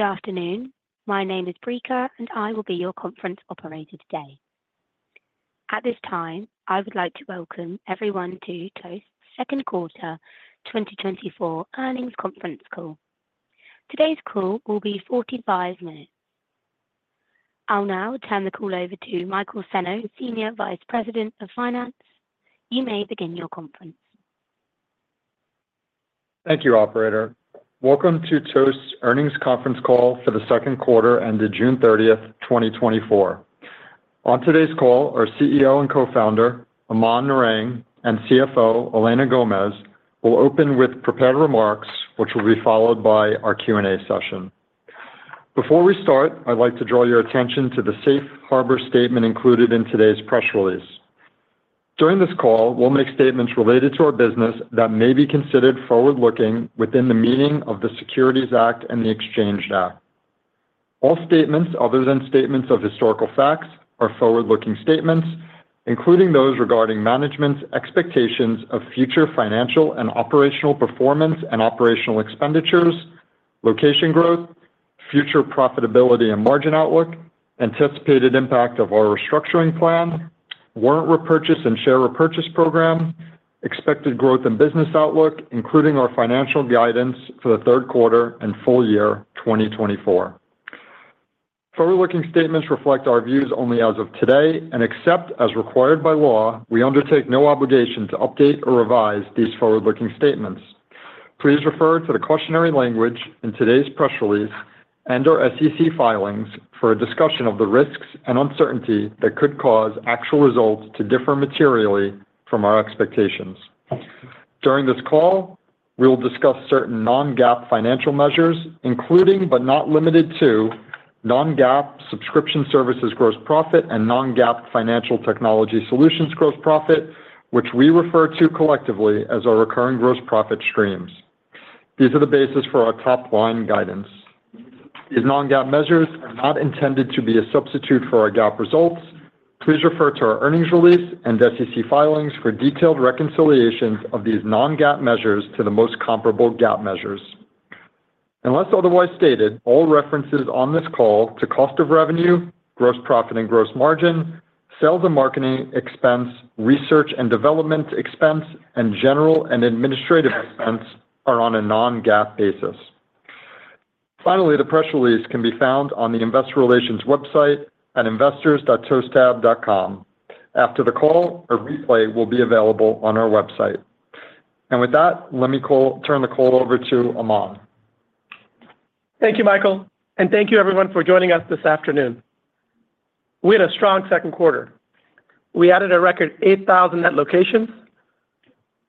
Good afternoon. My name is Brika, and I will be your conference operator today. At this time, I would like to welcome everyone to Toast's second quarter 2024 earnings conference call. Today's call will be 45 minutes. I'll now turn the call over to Michael Senno, Senior Vice President of Finance. You may begin your conference. Thank you, operator. Welcome to Toast's earnings conference call for the second quarter ended June 30, 2024. On today's call, our CEO and co-founder, Aman Narang, and CFO, Elena Gomez, will open with prepared remarks, which will be followed by our Q&A session. Before we start, I'd like to draw your attention to the safe harbor statement included in today's press release. During this call, we'll make statements related to our business that may be considered forward-looking within the meaning of the Securities Act and the Exchange Act. All statements other than statements of historical facts are forward-looking statements, including those regarding management's expectations of future financial and operational performance and operational expenditures, location growth, future profitability and margin outlook, anticipated impact of our restructuring plan, warrant repurchase, and share repurchase program, expected growth and business outlook, including our financial guidance for the third quarter and full year 2024. Forward-looking statements reflect our views only as of today, and except as required by law, we undertake no obligation to update or revise these forward-looking statements. Please refer to the cautionary language in today's press release and our SEC filings for a discussion of the risks and uncertainty that could cause actual results to differ materially from our expectations. During this call, we will discuss certain non-GAAP financial measures, including, but not limited to non-GAAP subscription services, gross profit, and non-GAAP financial technology solutions, gross profit, which we refer to collectively as our recurring gross profit streams. These are the basis for our top-line guidance. These non-GAAP measures are not intended to be a substitute for our GAAP results. Please refer to our earnings release and SEC filings for detailed reconciliations of these non-GAAP measures to the most comparable GAAP measures. Unless otherwise stated, all references on this call to cost of revenue, gross profit and gross margin, sales and marketing expense, research and development expense, and general and administrative expense are on a non-GAAP basis. Finally, the press release can be found on the Investor Relations website at investors.toasttab.com. After the call, a replay will be available on our website. With that, let me turn the call over to Aman. Thank you, Michael, and thank you everyone for joining us this afternoon. We had a strong second quarter. We added a record 8,000 net locations.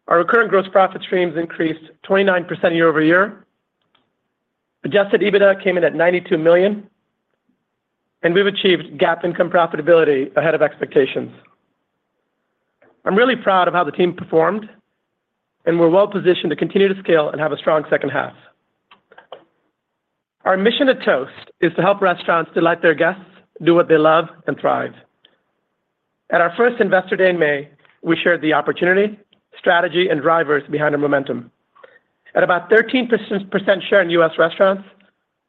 Our recurring gross profit streams increased 29% year-over-year. Adjusted EBITDA came in at $92 million, and we've achieved GAAP income profitability ahead of expectations. I'm really proud of how the team performed, and we're well positioned to continue to scale and have a strong second half. Our mission at Toast is to help restaurants delight their guests, do what they love, and thrive. At our first Investor Day in May, we shared the opportunity, strategy, and drivers behind the momentum. At about 13% share in U.S. restaurants,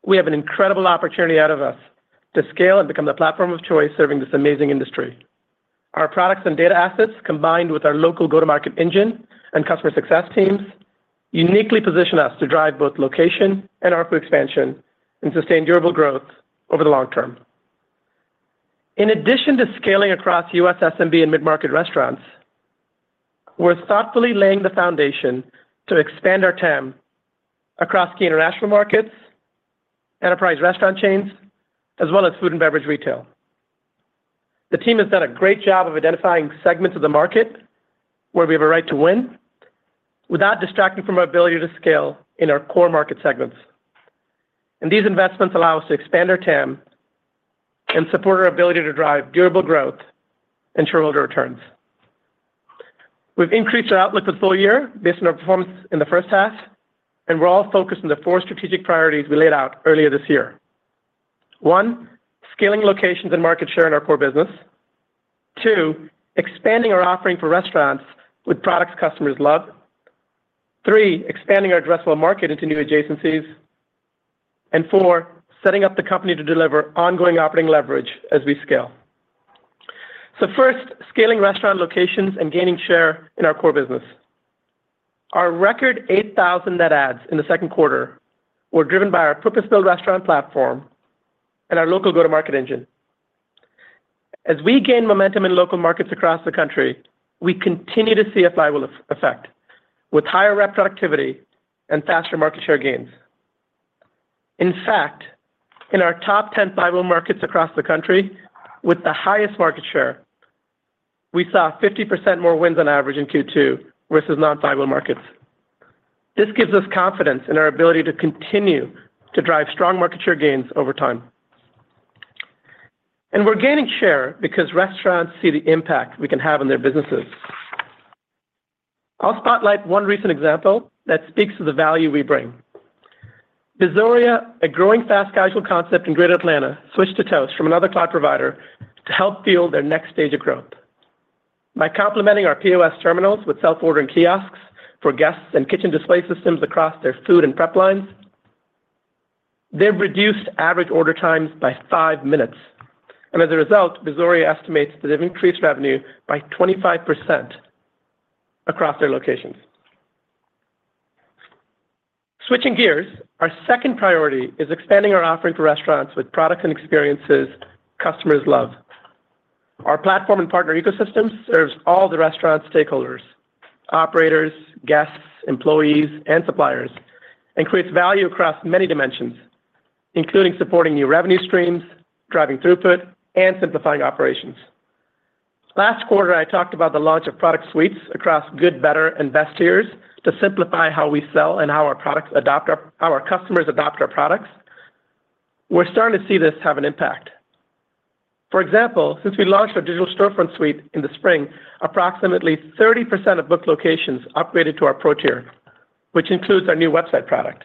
we have an incredible opportunity ahead of us to scale and become the platform of choice serving this amazing industry. Our products and data assets, combined with our local go-to-market engine and customer success teams, uniquely position us to drive both location and ARPU expansion and sustain durable growth over the long term. In addition to scaling across U.S. SMB and mid-market restaurants, we're thoughtfully laying the foundation to expand our TAM across key international markets, enterprise restaurant chains, as well as food and beverage retail. The team has done a great job of identifying segments of the market where we have a right to win without distracting from our ability to scale in our core market segments. And these investments allow us to expand our TAM and support our ability to drive durable growth and shareholder returns. We've increased our outlook for the full year based on our performance in the first half, and we're all focused on the four strategic priorities we laid out earlier this year. One, scaling locations and market share in our core business. Two, expanding our offering for restaurants with products customers love. Three, expanding our addressable market into new adjacencies. And four, setting up the company to deliver ongoing operating leverage as we scale. So first, scaling restaurant locations and gaining share in our core business. Our record 8,000 net adds in the second quarter were driven by our purpose-built restaurant platform and our local go-to-market engine. As we gain momentum in local markets across the country, we continue to see a flywheel effect with higher rep productivity and faster market share gains. In fact, in our top 10 flywheel markets across the country with the highest market share, we saw 50% more wins on average in Q2 versus non-flywheel markets. This gives us confidence in our ability to continue to drive strong market share gains over time. We're gaining share because restaurants see the impact we can have on their businesses. I'll spotlight one recent example that speaks to the value we bring. Bezoria, a growing fast-casual concept in Greater Atlanta, switched to Toast from another cloud provider to help fuel their next stage of growth. By complementing our POS terminals with self-ordering kiosks for guests and kitchen display systems across their food and prep lines, they've reduced average order times by five minutes. And as a result, they estimate that they've increased revenue by 25% across their locations. Switching gears, our second priority is expanding our offering for restaurants with products and experiences customers love. Our platform and partner ecosystem serves all the restaurant stakeholders, operators, guests, employees, and suppliers, and creates value across many dimensions, including supporting new revenue streams, driving throughput, and simplifying operations. Last quarter, I talked about the launch of product suites across good, better, and best tiers to simplify how we sell and how our customers adopt our products. We're starting to see this have an impact. For example, since we launched our Digital Storefront Suite in the spring, approximately 30% of booked locations upgraded to our Pro tier, which includes our new website product.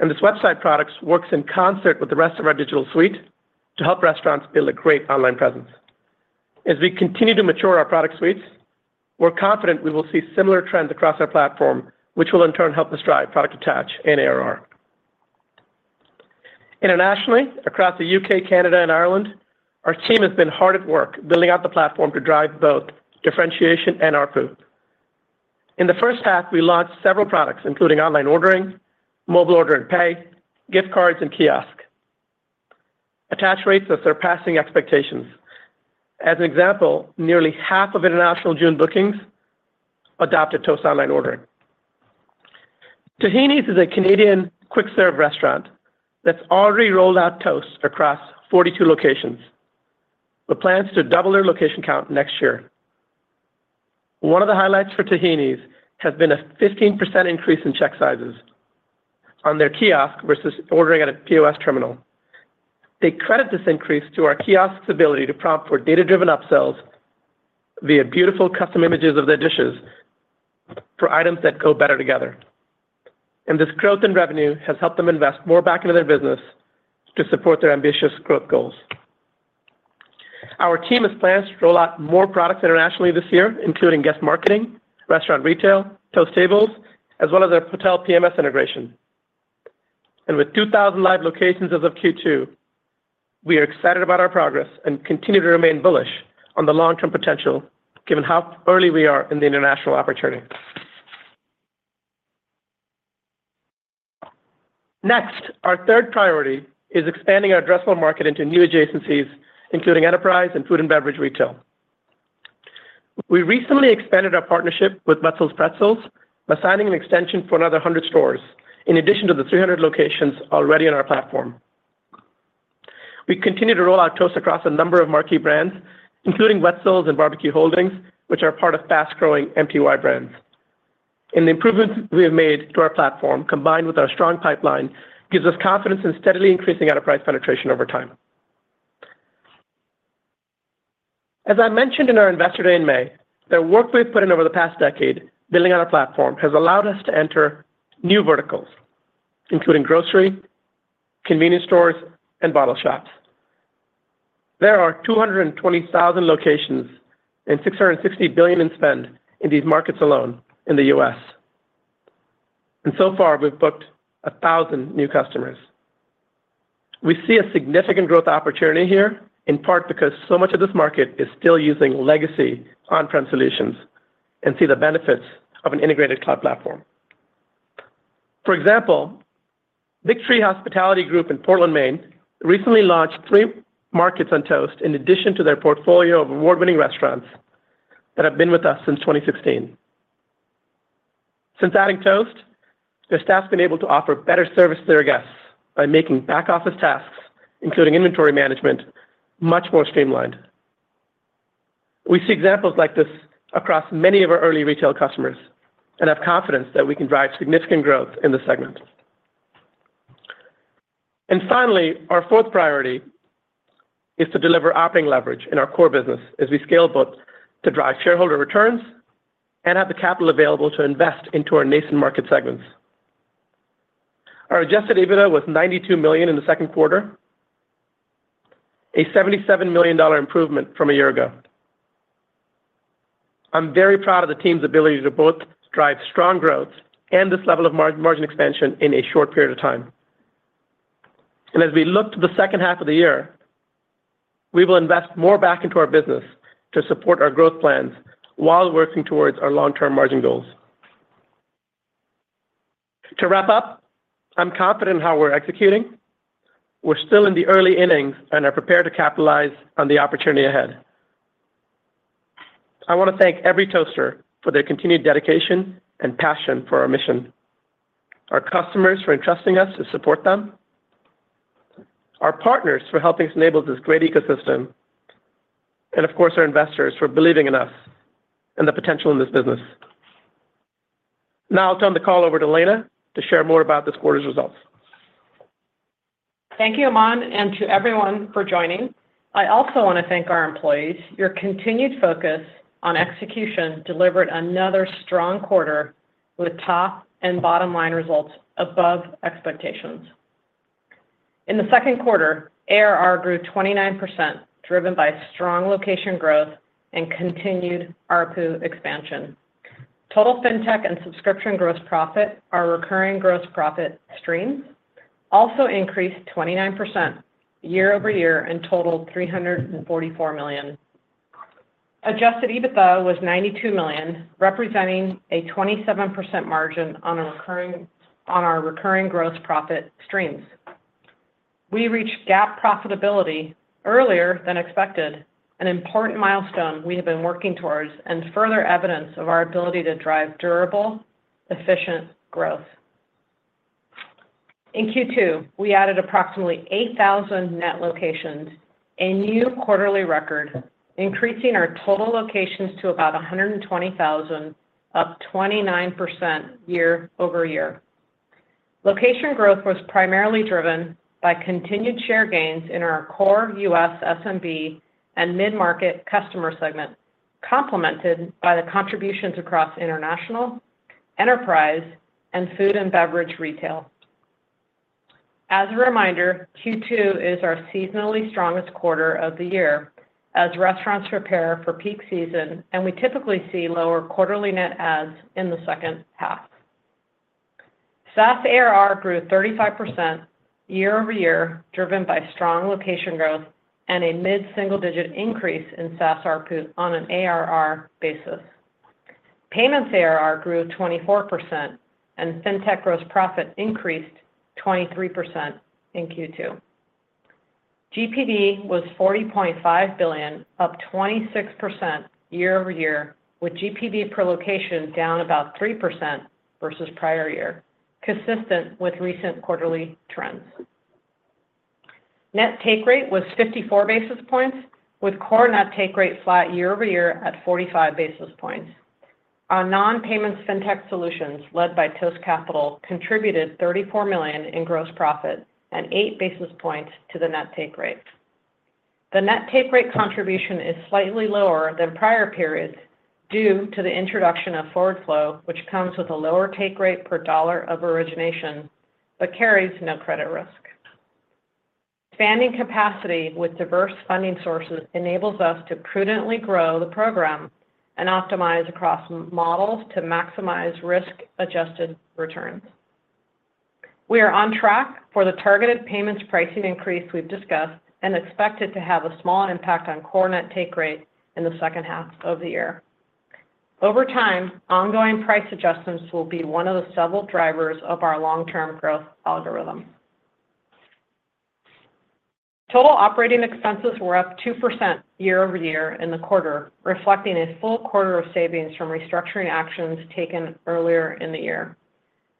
And this website products works in concert with the rest of our digital suite to help restaurants build a great online presence. As we continue to mature our product suites, we're confident we will see similar trends across our platform, which will in turn help us drive product attach and ARR. Internationally, across the UK, Canada, and Ireland, our team has been hard at work building out the platform to drive both differentiation and our growth. In the first half, we launched several products, including online ordering, mobile order and pay, gift cards, and kiosk. Attachment rates are surpassing expectations. As an example, nearly half of international June bookings adopted Toast Online Ordering. Tahini's is a Canadian quick-serve restaurant that's already rolled out Toast across 42 locations, with plans to double their location count next year. One of the highlights for Tahini's has been a 15% increase in check sizes on their kiosk versus ordering at a POS terminal. They credit this increase to our kiosk's ability to prompt for data-driven upsells via beautiful custom images of their dishes for items that go better together. And this growth in revenue has helped them invest more back into their business to support their ambitious growth goals. Our team has plans to roll out more products internationally this year, including guest marketing, restaurant retail, Toast Tables, as well as their hotel PMS integration. With 2,000 live locations as of Q2, we are excited about our progress and continue to remain bullish on the long-term potential, given how early we are in the international opportunity. Next, our third priority is expanding our addressable market into new adjacencies, including enterprise and food and beverage retail. We recently expanded our partnership with Wetzel's Pretzels by signing an extension for another 100 stores, in addition to the 300 locations already on our platform. We continue to roll out Toast across a number of marquee brands, including Wetzel's and BBQ Holdings, which are part of fast-growing MTY brands. The improvements we have made to our platform, combined with our strong pipeline, gives us confidence in steadily increasing enterprise penetration over time. As I mentioned in our Investor Day in May, the work we've put in over the past decade building on our platform has allowed us to enter new verticals, including grocery, convenience stores, and bottle shops. There are 220,000 locations and $660 billion in spend in these markets alone in the U.S. So far, we've booked 1,000 new customers. We see a significant growth opportunity here, in part because so much of this market is still using legacy on-prem solutions and see the benefits of an integrated cloud platform. For example, Big Tree Hospitality Group in Portland, Maine, recently launched three markets on Toast in addition to their portfolio of award-winning restaurants that have been with us since 2016. Since adding Toast, their staff's been able to offer better service to their guests by making back-office tasks, including inventory management, much more streamlined. We see examples like this across many of our early retail customers and have confidence that we can drive significant growth in this segment. And finally, our fourth priority is to deliver operating leverage in our core business as we scale both to drive shareholder returns and have the capital available to invest into our nascent market segments. Our Adjusted EBITDA was $92 million in the second quarter, a $77 million improvement from a year ago. I'm very proud of the team's ability to both drive strong growth and this level of margin expansion in a short period of time. And as we look to the second half of the year, we will invest more back into our business to support our growth plans while working towards our long-term margin goals. To wrap up, I'm confident in how we're executing. We're still in the early innings and are prepared to capitalize on the opportunity ahead. I want to thank every Toaster for their continued dedication and passion for our mission, our customers for entrusting us to support them, our partners for helping us enable this great ecosystem, and of course, our investors for believing in us and the potential in this business. Now I'll turn the call over to Elena to share more about this quarter's results. Thank you, Aman, and to everyone for joining. I also want to thank our employees. Your continued focus on execution delivered another strong quarter with top and bottom-line results above expectations. In the second quarter, ARR grew 29%, driven by strong location growth and continued ARPU expansion. Total fintech and subscription gross profit, our recurring gross profit streams, also increased 29% year-over-year and totaled $344 million. Adjusted EBITDA was $92 million, representing a 27% margin on our recurring gross profit streams. We reached GAAP profitability earlier than expected, an important milestone we have been working towards, and further evidence of our ability to drive durable, efficient growth. In Q2, we added approximately 8,000 net locations, a new quarterly record, increasing our total locations to about 120,000, up 29% year-over-year. Location growth was primarily driven by continued share gains in our core U.S. SMB and mid-market customer segment, complemented by the contributions across international, enterprise, and food and beverage retail. As a reminder, Q2 is our seasonally strongest quarter of the year as restaurants prepare for peak season, and we typically see lower quarterly net adds in the second half. SaaS ARR grew 35% year-over-year, driven by strong location growth and a mid-single-digit increase in SaaS ARPU on an ARR basis. Payments ARR grew 24%, and fintech gross profit increased 23% in Q2. GPV was $40.5 billion, up 26% year-over-year, with GPV per location down about 3% versus prior year, consistent with recent quarterly trends. Net take rate was 54 basis points, with core net take rate flat year-over-year at 45 basis points. Our non-payments fintech solutions, led by Toast Capital, contributed $34 million in gross profit and eight basis points to the net take rate. The net take rate contribution is slightly lower than prior periods due to the introduction of Forward Flow, which comes with a lower take rate per dollar of origination, but carries no credit risk. Expanding capacity with diverse funding sources enables us to prudently grow the program and optimize across models to maximize risk-adjusted returns. We are on track for the targeted payments pricing increase we've discussed and expect it to have a small impact on core net take rate in the second half of the year. Over time, ongoing price adjustments will be one of the several drivers of our long-term growth algorithm. Total operating expenses were up 2% year-over-year in the quarter, reflecting a full quarter of savings from restructuring actions taken earlier in the year.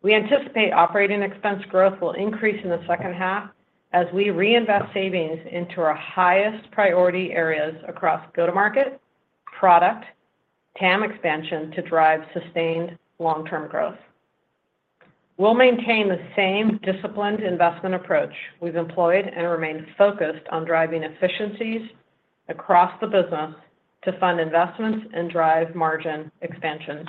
We anticipate operating expense growth will increase in the second half as we reinvest savings into our highest priority areas across go-to-market, product, TAM expansion to drive sustained long-term growth. We'll maintain the same disciplined investment approach we've employed and remain focused on driving efficiencies across the business to fund investments and drive margin expansion.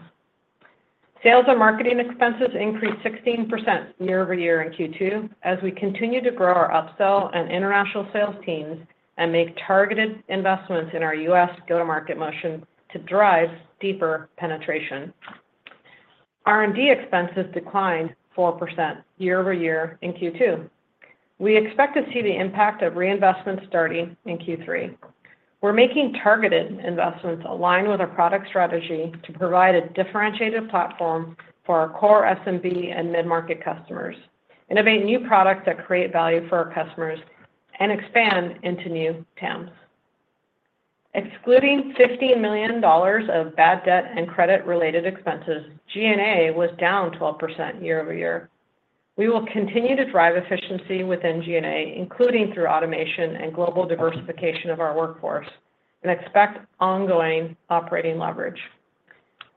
Sales and marketing expenses increased 16% year-over-year in Q2 as we continue to grow our upsell and international sales teams and make targeted investments in our U.S. go-to-market motion to drive deeper penetration. R&D expenses declined 4% year-over-year in Q2. We expect to see the impact of reinvestment starting in Q3. We're making targeted investments aligned with our product strategy to provide a differentiated platform for our core SMB and mid-market customers, innovate new products that create value for our customers, and expand into new TAMs. Excluding $50 million of bad debt and credit-related expenses, G&A was down 12% year-over-year. We will continue to drive efficiency within G&A, including through automation and global diversification of our workforce, and expect ongoing operating leverage.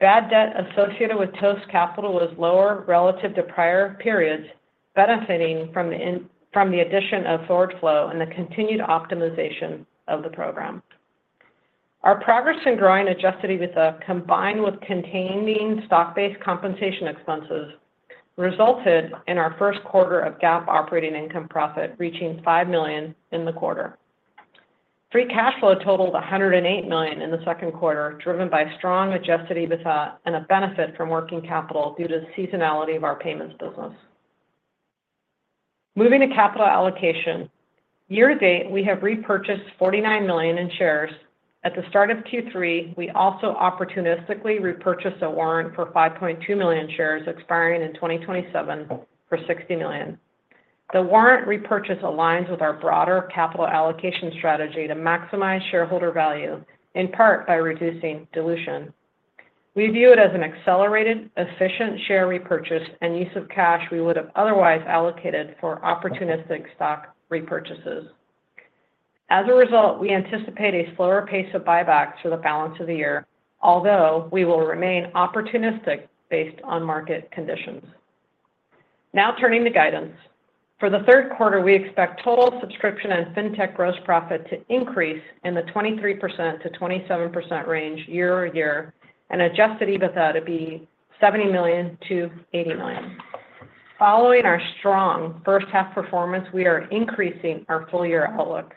Bad debt associated with Toast Capital was lower relative to prior periods, benefiting from the addition of Forward Flow and the continued optimization of the program. Our progress in growing adjusted EBITDA, combined with containing stock-based compensation expenses, resulted in our first quarter of GAAP operating income profit, reaching $5 million in the quarter. Free cash flow totaled $108 million in the second quarter, driven by strong Adjusted EBITDA and a benefit from working capital due to the seasonality of our payments business. Moving to capital allocation. Year to date, we have repurchased $49 million in shares. At the start of Q3, we also opportunistically repurchased a warrant for 5.2 million shares expiring in 2027 for $60 million. The warrant repurchase aligns with our broader capital allocation strategy to maximize shareholder value, in part by reducing dilution. We view it as an accelerated, efficient share repurchase and use of cash we would have otherwise allocated for opportunistic stock repurchases. As a result, we anticipate a slower pace of buybacks for the balance of the year, although we will remain opportunistic based on market conditions. Now, turning to guidance. For the third quarter, we expect total subscription and fintech gross profit to increase in the 23%-27% range year-over-year, and adjusted EBITDA to be $70 million-$80 million. Following our strong first half performance, we are increasing our full year outlook.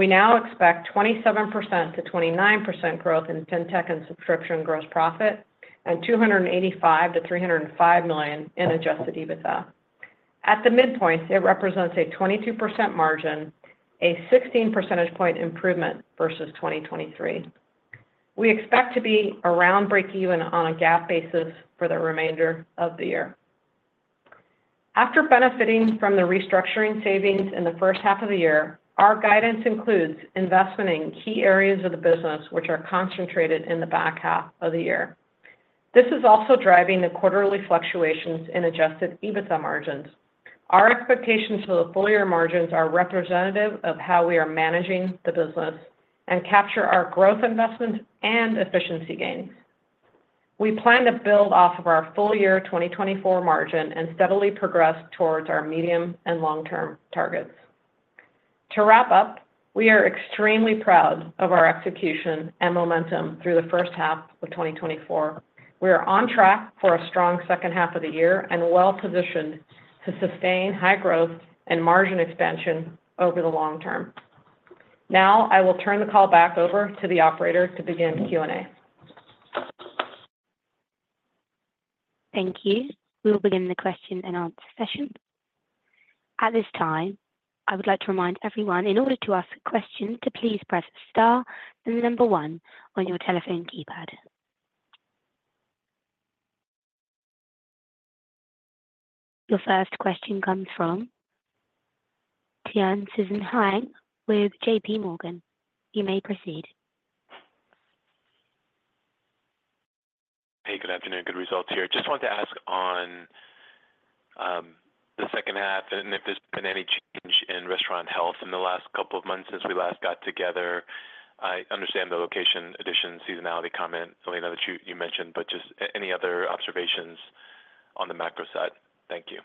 We now expect 27%-29% growth in Fintech and subscription gross profit, and $285 million-$305 million in adjusted EBITDA. At the midpoint, it represents a 22% margin, a 16 percentage point improvement versus 2023. We expect to be around breakeven on a GAAP basis for the remainder of the year. After benefiting from the restructuring savings in the first half of the year, our guidance includes investment in key areas of the business, which are concentrated in the back half of the year. This is also driving the quarterly fluctuations in Adjusted EBITDA margins. Our expectations for the full year margins are representative of how we are managing the business and capture our growth investments and efficiency gains. We plan to build off of our full year 2024 margin and steadily progress towards our medium and long-term targets. To wrap up, we are extremely proud of our execution and momentum through the first half of 2024. We are on track for a strong second half of the year and well positioned to sustain high growth and margin expansion over the long term. Now, I will turn the call back over to the operator to begin the Q&A. Thank you. We will begin the question and answer session. At this time, I would like to remind everyone, in order to ask a question, to please press star and number one on your telephone keypad. Your first question comes from Tien-Tsin Huang with JPMorgan. You may proceed. Hey, good afternoon. Good results here. Just wanted to ask on the second half, and if there's been any change in restaurant health in the last couple of months since we last got together. I understand the location addition seasonality comment, Elena, that you mentioned, but just any other observations on the macro side? Thank you.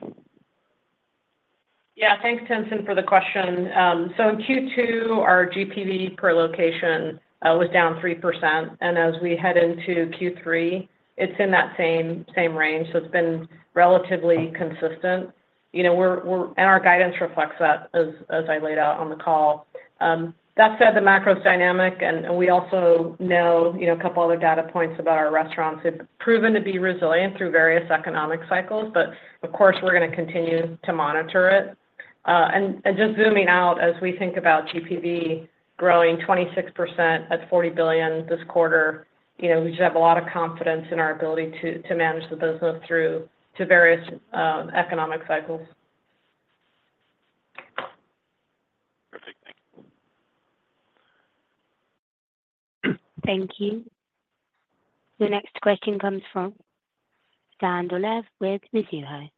Yeah, thanks, Tien-Tsin, for the question. So in Q2, our GPV per location was down 3%, and as we head into Q3, it's in that same range. So it's been relatively consistent. You know, we're and our guidance reflects that as I laid out on the call. That said, the macro is dynamic, and we also know, you know, a couple other data points about our restaurants. It's proven to be resilient through various economic cycles, but of course, we're going to continue to monitor it. And just zooming out as we think about GPV growing 26% at $40 billion this quarter, you know, we just have a lot of confidence in our ability to manage the business through to various economic cycles. Perfect. Thank you. Thank you. The next question comes from Dan Dolev with Mizuho.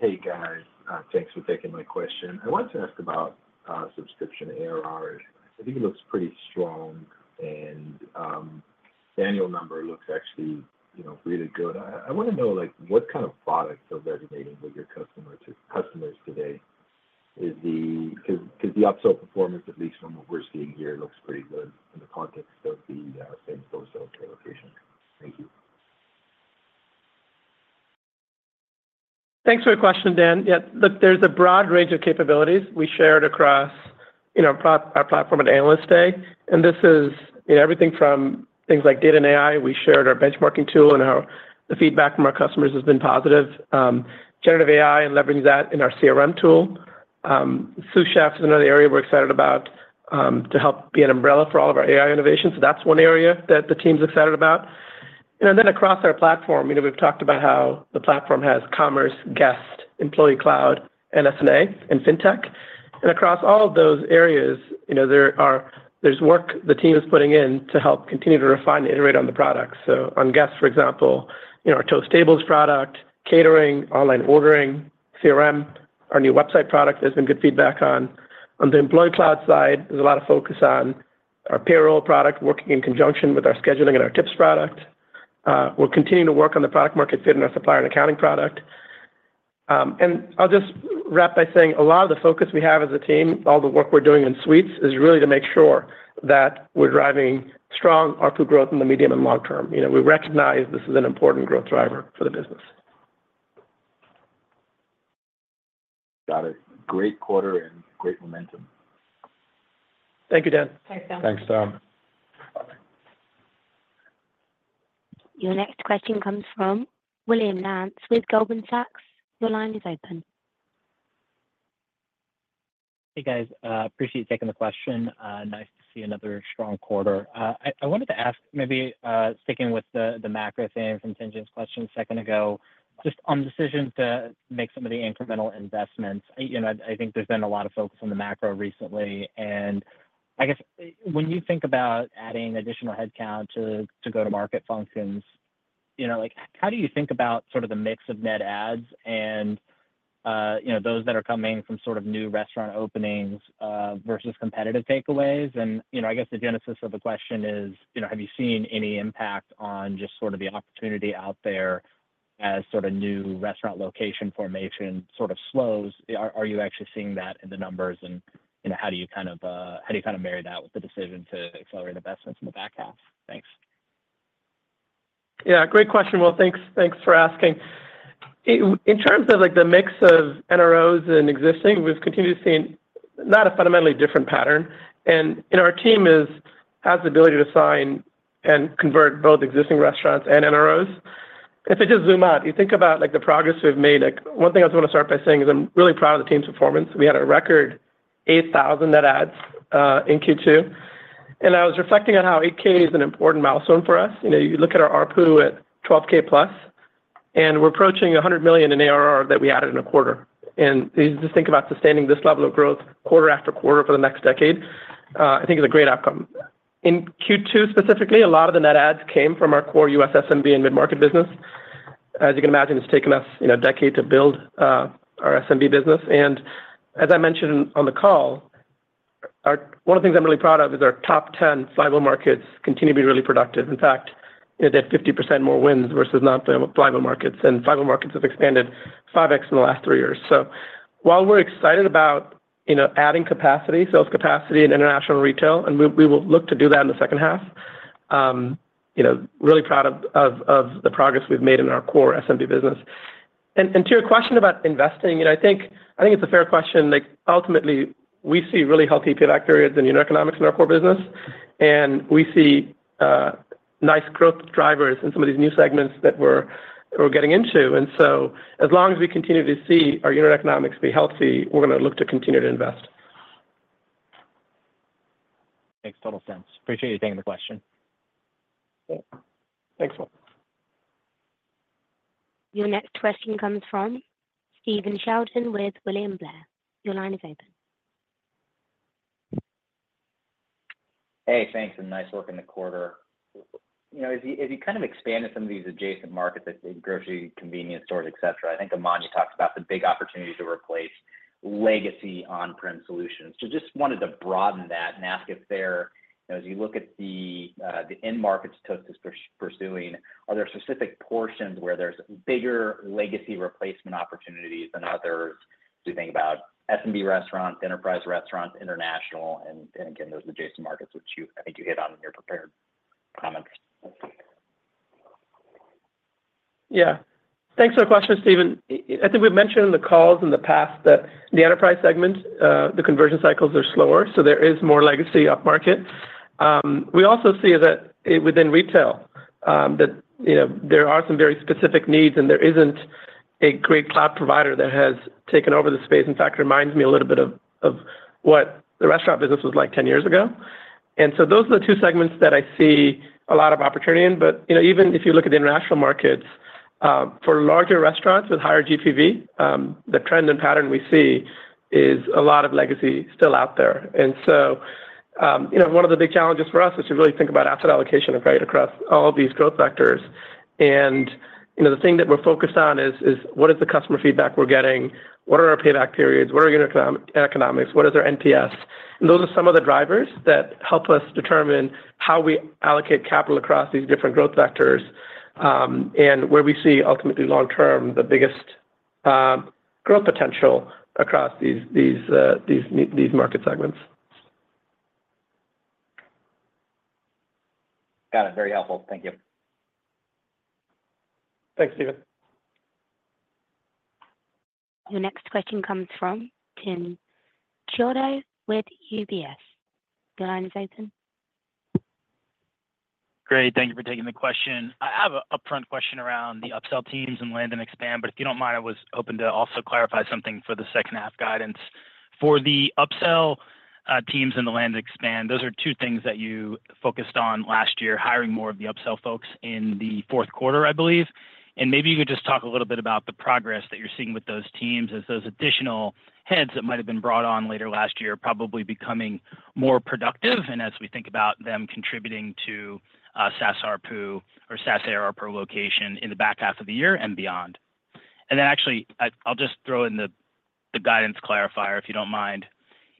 Hey, guys. Thanks for taking my question. I wanted to ask about subscription ARR. I think it looks pretty strong, and annual number looks actually, you know, really good. I want to know, like, what kind of products are resonating with your customers today? Because the upsell performance, at least from what we're seeing here, looks pretty good in the context of the same store sale per location. Thank you. Thanks for your question, Dan. Yeah, look, there's a broad range of capabilities we shared across, you know, our platform at Analyst Day, and this is, you know, everything from things like data and AI. We shared our benchmarking tool, and the feedback from our customers has been positive. Generative AI and leveraging that in our CRM tool. Sous Chef is another area we're excited about, to help be an umbrella for all of our AI innovations. So that's one area that the team's excited about. And then across our platform, you know, we've talked about how the platform has commerce, guest, employee, cloud, and S&A and Fintech. And across all of those areas, you know, there's work the team is putting in to help continue to refine and iterate on the product. So on guests, for example, you know, our Toast Tables product, catering, online ordering, CRM, our new website product, there's been good feedback on. On the Employee Cloud side, there's a lot of focus on our payroll product, working in conjunction with our scheduling and our tips product. We're continuing to work on the product market fit and our supplier and accounting product. And I'll just wrap by saying a lot of the focus we have as a team, all the work we're doing in Suites, is really to make sure that we're driving strong ARPU growth in the medium and long term. You know, we recognize this is an important growth driver for the business. Got it. Great quarter and great momentum. Thank you, Dan. Thanks, Dan. Thanks, Dan. Your next question comes from William Nance with Goldman Sachs. Your line is open. Hey, guys. Appreciate you taking the question. Nice to see another strong quarter. I wanted to ask, maybe, sticking with the macro theme from Tien-Tsin's question a second ago, just on the decision to make some of the incremental investments. You know, I think there's been a lot of focus on the macro recently, and I guess when you think about adding additional headcount to go-to-market functions, you know, like, how do you think about sort of the mix of net adds and, you know, those that are coming from sort of new restaurant openings versus competitive takeaways? And, you know, I guess the genesis of the question is, you know, have you seen any impact on just sort of the opportunity out there? As sort of new restaurant location formation sort of slows, are you actually seeing that in the numbers? And how do you kind of marry that with the decision to accelerate investments in the back half? Thanks. Yeah, great question. Well, thanks, thanks for asking. In terms of, like, the mix of NROs and existing, we've continued to see not a fundamentally different pattern. And our team has the ability to sign and convert both existing restaurants and NROs. If I just zoom out, you think about, like, the progress we've made, like, one thing I just wanna start by saying is I'm really proud of the team's performance. We had a record 8,000 net adds in Q2, and I was reflecting on how 8,000 is an important milestone for us. You know, you look at our ARPU at $12,000 plus, and we're approaching $100 million in ARR that we added in a quarter. And just think about sustaining this level of growth quarter after quarter for the next decade, I think is a great outcome. In Q2, specifically, a lot of the net adds came from our core U.S. SMB and mid-market business. As you can imagine, it's taken us, you know, a decade to build our SMB business. And as I mentioned on the call, one of the things I'm really proud of is our top 10 Flywheel markets continue to be really productive. In fact, they had 50% more wins versus non-Flywheel markets, and Flywheel markets have expanded 5x in the last three years. So while we're excited about, you know, adding capacity, sales capacity, and international retail, and we, we will look to do that in the second half, you know, really proud of the progress we've made in our core SMB business. And to your question about investing, you know, I think it's a fair question. Like, ultimately, we see really healthy payback periods and economics in our core business, and we see nice growth drivers in some of these new segments that we're getting into. And so, as long as we continue to see our unit economics be healthy, we're gonna look to continue to invest. Makes total sense. Appreciate you taking the question. Yeah. Thanks, well. Your next question comes from Stephen Sheldon with William Blair. Your line is open. Hey, thanks, and nice work in the quarter. You know, if you, if you kind of expanded some of these adjacent markets, like the grocery, convenience stores, et cetera, I think Aman talks about the big opportunity to replace legacy on-prem solutions. So just wanted to broaden that and ask if there... You know, as you look at the, the end markets Toast is pursuing, are there specific portions where there's bigger legacy replacement opportunities than others as we think about SMB restaurants, enterprise restaurants, international, and, and again, those adjacent markets, which you, I think you hit on in your prepared comments? Yeah. Thanks for the question, Stephen. I think we've mentioned in the calls in the past that the enterprise segment, the conversion cycles are slower, so there is more legacy upmarket. We also see that within retail, that, you know, there are some very specific needs, and there isn't a great cloud provider that has taken over the space. In fact, it reminds me a little bit of, of what the restaurant business was like 10 years ago. And so those are the two segments that I see a lot of opportunity in. But, you know, even if you look at the international markets, for larger restaurants with higher GPV, the trend and pattern we see is a lot of legacy still out there. And so, you know, one of the big challenges for us is to really think about asset allocation and value across all these growth vectors. And, you know, the thing that we're focused on is what is the customer feedback we're getting? What are our payback periods? What are our unit economics? What is our NPS? And those are some of the drivers that help us determine how we allocate capital across these different growth vectors, and where we see, ultimately, long term, the biggest growth potential across these market segments. Got it. Very helpful. Thank you. Thanks, Stephen. Your next question comes from Timothy Chiodo with UBS. Your line is open. Great. Thank you for taking the question. I have a upfront question around the upsell teams and land and expand, but if you don't mind, I was hoping to also clarify something for the second half guidance. For the upsell, teams and the land and expand, those are two things that you focused on last year, hiring more of the upsell folks in the fourth quarter, I believe. And maybe you could just talk a little bit about the progress that you're seeing with those teams as those additional heads that might have been brought on later last year are probably becoming more productive, and as we think about them contributing to, SaaS ARPU or SaaS ARR per location in the back half of the year and beyond. And then actually, I'll just throw in the guidance clarifier, if you don't mind.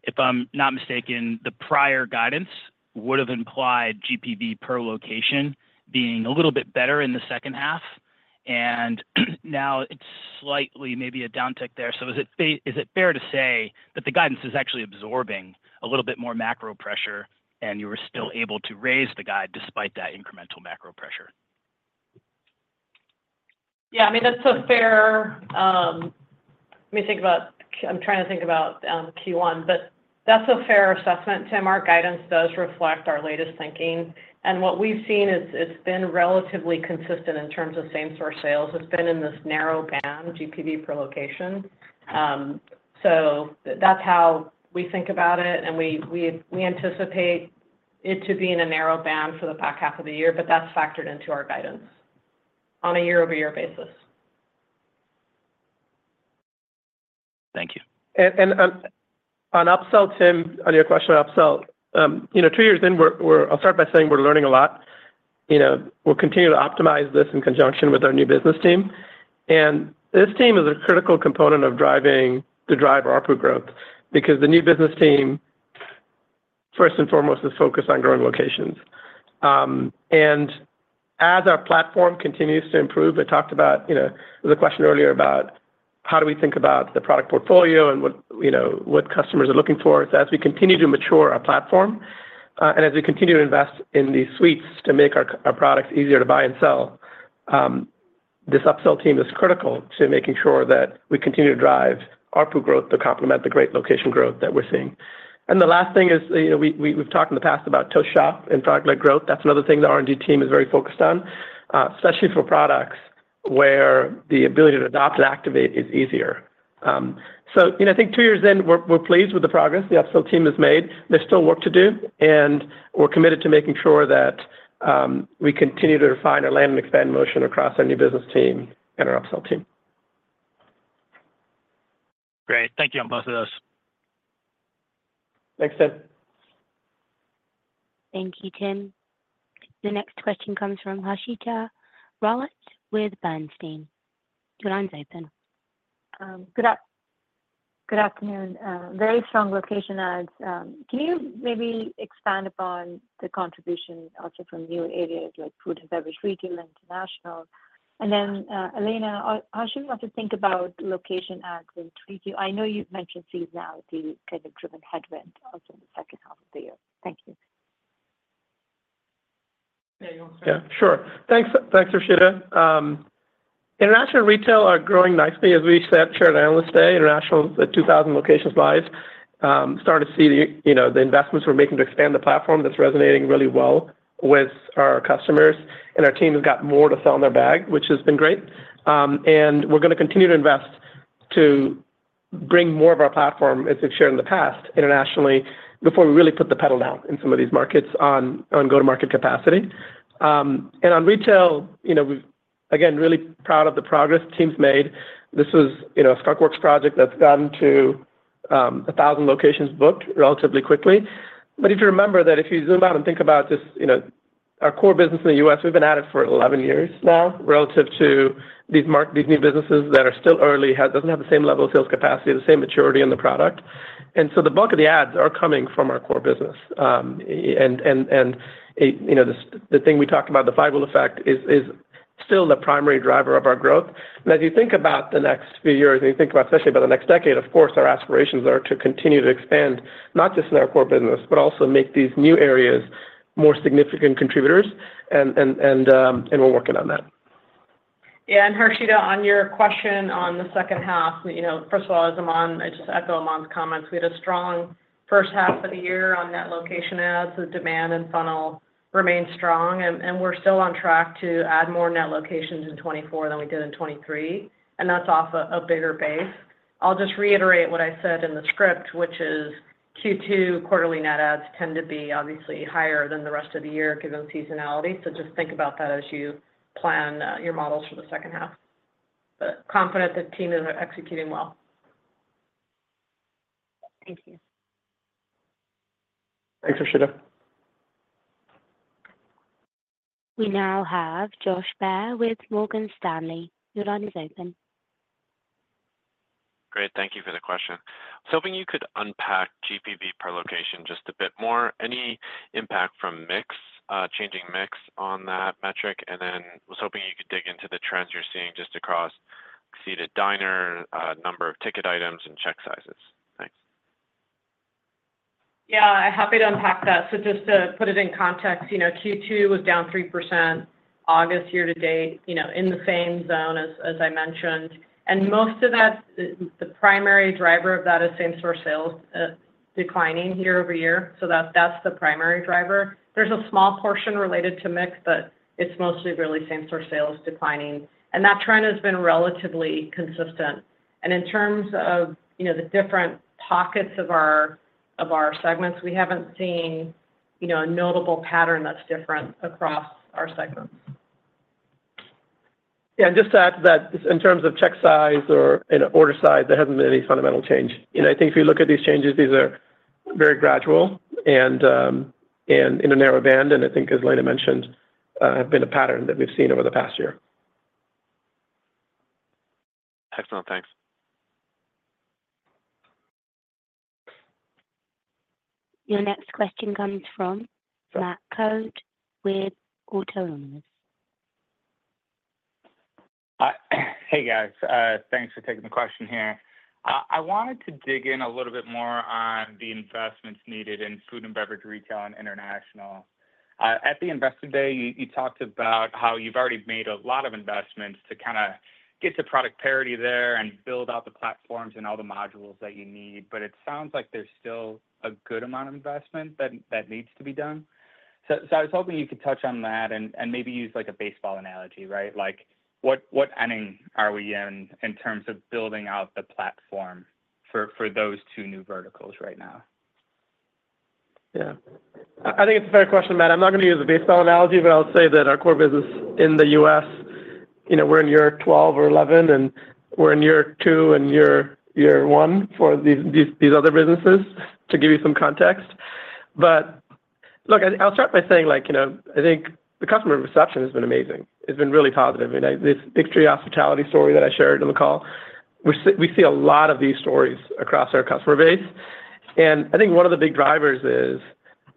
If I'm not mistaken, the prior guidance would have implied GPV per location being a little bit better in the second half, and now it's slightly maybe a downtick there. So is it fair to say that the guidance is actually absorbing a little bit more macro pressure, and you were still able to raise the guide despite that incremental macro pressure? Yeah, I mean, that's a fair assessment, Tim. Our guidance does reflect our latest thinking, and what we've seen is it's been relatively consistent in terms of same store sales. It's been in this narrow band, GPV per location. So that's how we think about it, and we anticipate it to be in a narrow band for the back half of the year, but that's factored into our guidance on a year-over-year basis. Thank you. On upsell, Tim, on your question on upsell, you know, two years in, we're-- I'll start by saying we're learning a lot. You know, we'll continue to optimize this in conjunction with our new business team. This team is a critical component of driving, to drive ARPU growth because the new business team first and foremost is focused on growing locations. And as our platform continues to improve, I talked about, you know, there was a question earlier about how do we think about the product portfolio and what, you know, what customers are looking for. As we continue to mature our platform, and as we continue to invest in these suites to make our, our products easier to buy and sell, this upsell team is critical to making sure that we continue to drive ARPU growth to complement the great location growth that we're seeing. The last thing is, you know, we've talked in the past about Toast Shop and product-led growth. That's another thing the R&D team is very focused on, especially for products where the ability to adopt and activate is easier. So, you know, I think two years in, we're pleased with the progress the upsell team has made. There's still work to do, and we're committed to making sure that we continue to refine our land and expand motion across our new business team and our upsell team. Great. Thank you on both of those. Thanks, Tim. Thank you, Tim. The next question comes from Harshita Rawat with Bernstein. Your line's open. Good afternoon. Very strong location adds. Can you maybe expand upon the contribution also from new areas like food and beverage, retail, international? And then, Elena, how should we think about location adds in Q2? I know you've mentioned seasonality, kind of, driven headwind also in the second half of the year. Thank you. Yeah, you want to start? Yeah, sure. Thanks, thanks, Harshita. International retail are growing nicely. As we said, shared analyst today, international, the 2,000 locations live start to see the, you know, the investments we're making to expand the platform that's resonating really well with our customers. And our team has got more to sell in their bag, which has been great. And we're gonna continue to invest to bring more of our platform, as we've shared in the past, internationally, before we really put the pedal down in some of these markets on go-to-market capacity. And on retail, you know, we've again really proud of the progress teams made. This was, you know, a skunkworks project that's gotten to a 1,000 locations booked relatively quickly. But if you remember that if you zoom out and think about just, you know, our core business in the U.S., we've been at it for 11 years now, relative to these new businesses that are still early, doesn't have the same level of sales capacity, the same maturity in the product. And so the bulk of the ads are coming from our core business. And, you know, the thing we talked about, the viral effect, is still the primary driver of our growth. And as you think about the next few years, and you think about, especially about the next decade, of course, our aspirations are to continue to expand, not just in our core business, but also make these new areas more significant contributors, and we're working on that. Yeah, and Harshita, on your question on the second half, you know, first of all, as Aman, I just echo Aman's comments. We had a strong first half of the year on net location adds. The demand and funnel remains strong, and, and we're still on track to add more net locations in 2024 than we did in 2023, and that's off a, a bigger base. I'll just reiterate what I said in the script, which is Q2 quarterly net adds tend to be obviously higher than the rest of the year given seasonality. So just think about that as you plan your models for the second half. But confident the team is executing well. Thank you. Thanks, Harshita. We now have Josh Baer with Morgan Stanley. Your line is open. Great. Thank you for the question. I was hoping you could unpack GPV per location just a bit more. Any impact from mix, changing mix on that metric, and then I was hoping you could dig into the trends you're seeing just across seated diner, number of ticket items, and check sizes. Thanks. Yeah, happy to unpack that. So just to put it in context, you know, Q2 was down 3%, August year-to-date, you know, in the same zone as, as I mentioned. And most of that, the, the primary driver of that is same-store sales declining year-over-year. So that's, that's the primary driver. There's a small portion related to mix, but it's mostly really same-store sales declining, and that trend has been relatively consistent. And in terms of, you know, the different pockets of our, of our segments, we haven't seen, you know, a notable pattern that's different across our segments. Yeah, and just to add to that, in terms of check size or in order size, there hasn't been any fundamental change. And I think if you look at these changes, these are very gradual and in a narrow band, and I think as Elena mentioned, have been a pattern that we've seen over the past year. Excellent. Thanks. Your next question comes from Matt Coad with Autonomous Research. Hey, guys. Thanks for taking the question here. I wanted to dig in a little bit more on the investments needed in food and beverage, retail, and international. At the Investor Day, you, you talked about how you've already made a lot of investments to kinda get to product parity there and build out the platforms and all the modules that you need. But it sounds like there's still a good amount of investment that, that needs to be done. So, so I was hoping you could touch on that and, and maybe use like a baseball analogy, right? Like, what, what inning are we in, in terms of building out the platform for, for those two new verticals right now? Yeah. I think it's a fair question, Matt. I'm not gonna use a baseball analogy, but I'll say that our core business in the U.S., you know, we're in year 12 or 11, and we're in year two and year one for these other businesses, to give you some context. But look, I'll start by saying, like, you know, I think the customer reception has been amazing. It's been really positive, and this Big Tree Hospitality story that I shared on the call, we see a lot of these stories across our customer base. And I think one of the big drivers is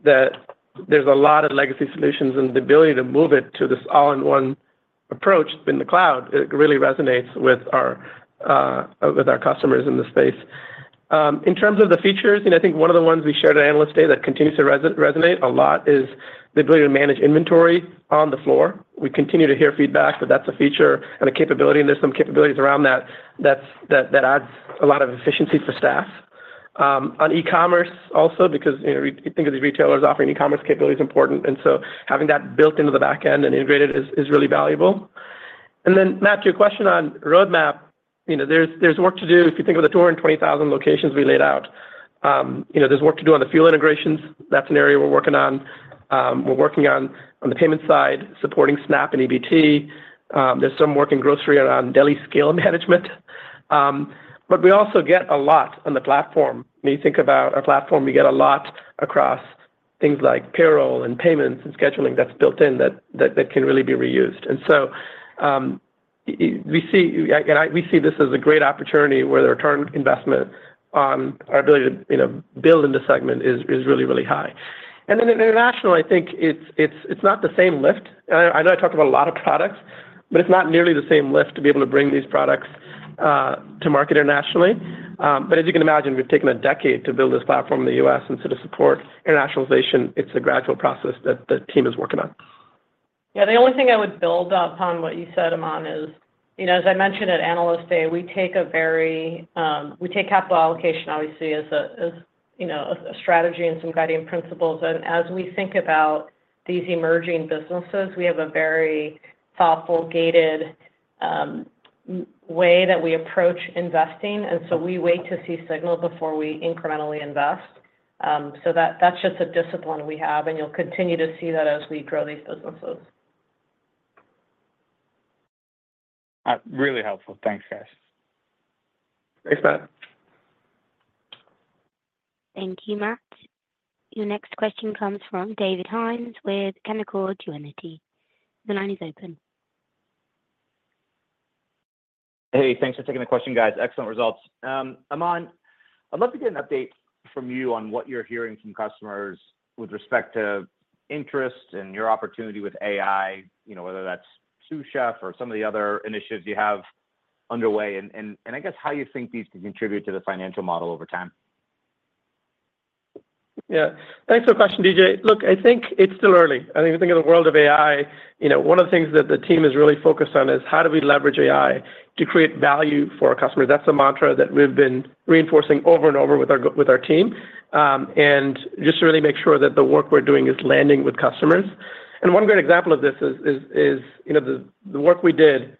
that there's a lot of legacy solutions, and the ability to move it to this all-in-one approach in the cloud. It really resonates with our customers in the space. In terms of the features, and I think one of the ones we shared at Analyst Day that continues to resonate a lot is the ability to manage inventory on the floor. We continue to hear feedback, that that's a feature and a capability, and there's some capabilities around that, that adds a lot of efficiency for staff. On e-commerce also, because, you know, we think of these retailers offering e-commerce capability is important, and so having that built into the back end and integrated is, is really valuable. And then, Matt, your question on roadmap, you know, there's work to do. If you think of the 220,000 locations we laid out, you know, there's work to do on the full integrations. That's an area we're working on. We're working on the payment side, supporting SNAP and EBT. There's some work in grocery around deli scale management. But we also get a lot on the platform. When you think about our platform, we get a lot across things like payroll and payments and scheduling that's built in that can really be reused. And so, we see this as a great opportunity where the return on investment on our ability to, you know, build in the segment is really high. And then internationally, I think it's not the same lift. And I know I talked about a lot of products, but it's not nearly the same lift to be able to bring these products to market internationally. As you can imagine, we've taken a decade to build this platform in the U.S., and so to support internationalization, it's a gradual process that the team is working on. Yeah, the only thing I would build upon what you said, Aman, is, you know, as I mentioned at Analyst Day, we take a very, we take capital allocation, obviously, as a, as, you know, a strategy and some guiding principles. And as we think about these emerging businesses, we have a very thoughtful, gated, way that we approach investing, and so we wait to see signals before we incrementally invest. So that, that's just a discipline we have, and you'll continue to see that as we grow these businesses. Really helpful. Thanks, guys. Thanks, Matt. Thank you, Matt. Your next question comes from DJ Hynes with Canaccord Genuity. The line is open. Hey, thanks for taking the question, guys. Excellent results. Aman, I'd love to get an update from you on what you're hearing from customers with respect to interest and your opportunity with AI, you know, whether that's Sous Chef or some of the other initiatives you have underway, and I guess how you think these could contribute to the financial model over time. Yeah. Thanks for the question, DJ. Look, I think it's still early. I think when you think of the world of AI, you know, one of the things that the team is really focused on is how do we leverage AI to create value for our customers? That's a mantra that we've been reinforcing over and over with our team, and just to really make sure that the work we're doing is landing with customers. And one great example of this is, you know, the work we did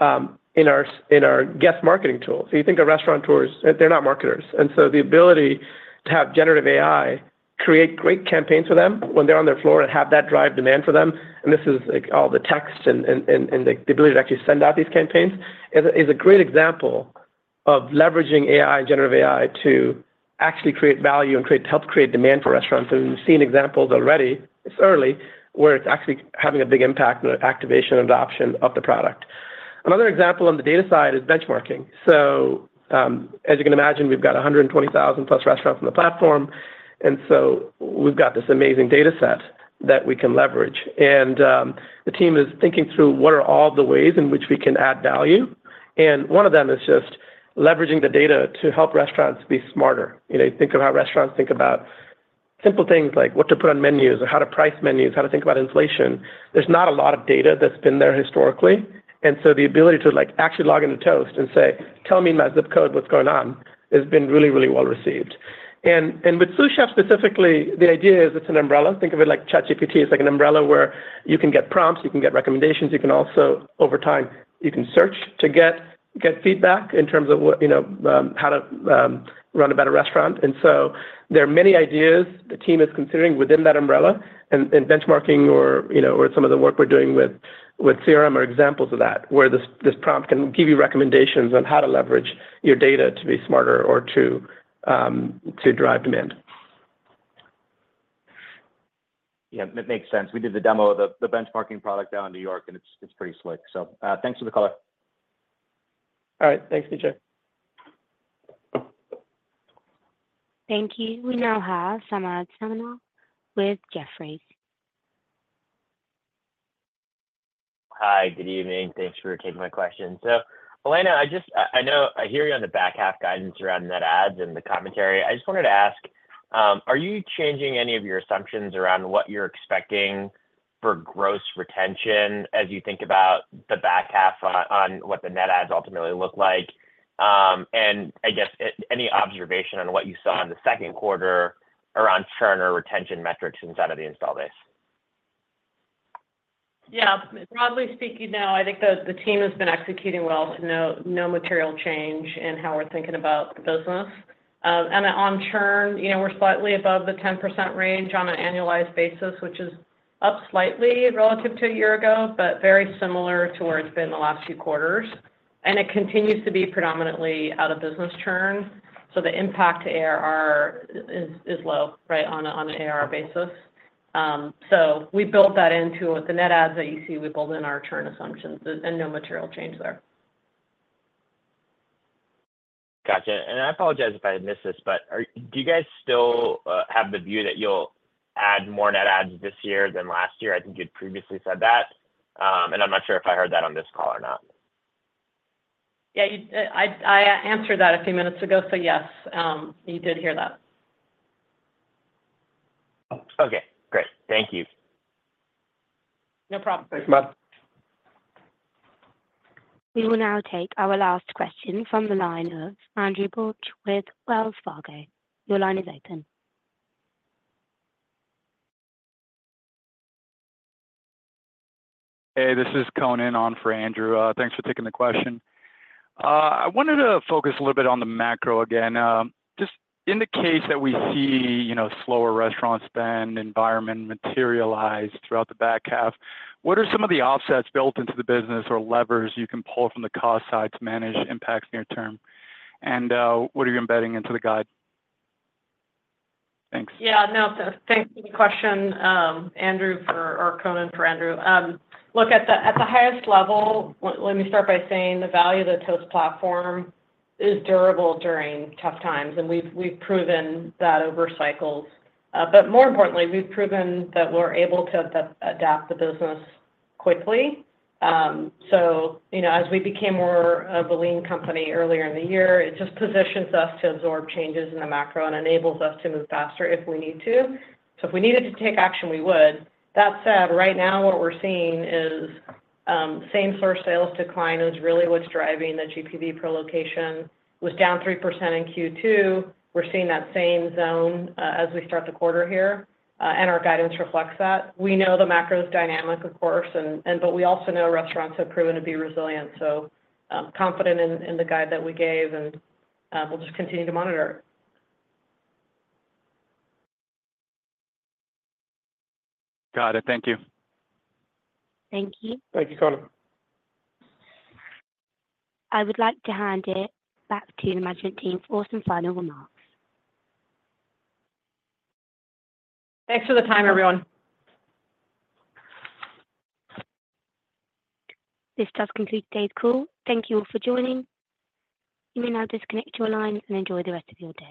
in our guest marketing tool. So you think of restaurateurs, they're not marketers, and so the ability to have generative AI create great campaigns for them when they're on their floor and have that drive demand for them, and this is, like, all the text and the ability to actually send out these campaigns, is a great example of leveraging AI, generative AI, to actually create value and create help create demand for restaurants. And we've seen examples already, it's early, where it's actually having a big impact on the activation and adoption of the product. Another example on the data side is benchmarking. So, as you can imagine, we've got 120,000 plus restaurants on the platform, and so we've got this amazing data set that we can leverage. The team is thinking through what are all the ways in which we can add value, and one of them is just leveraging the data to help restaurants be smarter. You know, you think about restaurants, think about simple things like what to put on menus or how to price menus, how to think about inflation. There's not a lot of data that's been there historically, and so the ability to, like, actually log into Toast and say, "Tell me in my ZIP code, what's going on?" has been really, really well received. And with Sous Chef specifically, the idea is it's an umbrella. Think of it like ChatGPT. It's like an umbrella where you can get prompts, you can get recommendations, you can also, over time, you can search to get feedback in terms of what, you know, how to run a better restaurant. And so there are many ideas the team is considering within that umbrella, and benchmarking or, you know, or some of the work we're doing with CRM are examples of that, where this prompt can give you recommendations on how to leverage your data to be smarter or to drive demand. Yeah, it makes sense. We did the demo of the benchmarking product down in New York, and it's pretty slick. So, thanks for the call. All right. Thanks, DJ. Thank you. We now have Samad Samana with Jefferies. Hi, good evening. Thanks for taking my question. So, Elena, I just know I hear you on the back half guidance around net adds in the commentary. I just wanted to ask, are you changing any of your assumptions around what you're expecting for gross retention as you think about the back half on what the net adds ultimately look like? And I guess any observation on what you saw in the second quarter around churn or retention metrics inside of the install base? Yeah, broadly speaking, no, I think the team has been executing well. No, no material change in how we're thinking about the business. And on churn, you know, we're slightly above the 10% range on an annualized basis, which is up slightly relative to a year ago, but very similar to where it's been the last few quarters... and it continues to be predominantly out of business churn, so the impact to ARR is low, right, on an ARR basis. So we built that into—with the net adds that you see, we build in our churn assumptions, and no material change there. Gotcha. And I apologize if I missed this, but do you guys still have the view that you'll add more net adds this year than last year? I think you'd previously said that, and I'm not sure if I heard that on this call or not. Yeah, you, I answered that a few minutes ago, so yes, you did hear that. Okay, great. Thank you. No problem. Thanks, Matt. We will now take our last question from the line of Andrew Bauch with Wells Fargo. Your line is open. Hey, this is Conan on for Andrew. Thanks for taking the question. I wanted to focus a little bit on the macro again. Just in the case that we see, you know, slower restaurant spend, environment materialized throughout the back half, what are some of the offsets built into the business or levers you can pull from the cost side to manage impacts near term? And, what are you embedding into the guide? Thanks. Yeah, no, so thanks for the question, Andrew, for... or Conan, for Andrew. Look, at the highest level, let me start by saying the value of the Toast platform is durable during tough times, and we've proven that over cycles. But more importantly, we've proven that we're able to adapt the business quickly. So, you know, as we became more of a lean company earlier in the year, it just positions us to absorb changes in the macro and enables us to move faster if we need to. So if we needed to take action, we would. That said, right now what we're seeing is, same store sales decline is really what's driving the GPV per location, was down 3% in Q2. We're seeing that same zone as we start the quarter here, and our guidance reflects that. We know the macro is dynamic, of course, and but we also know restaurants have proven to be resilient, so confident in the guide that we gave, and we'll just continue to monitor it. Got it. Thank you. Thank you. Thank you, Conan. I would like to hand it back to the management team for some final remarks. Thanks for the time, everyone. This does conclude today's call. Thank you all for joining. You may now disconnect your line and enjoy the rest of your day.